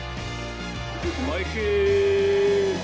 おいしい！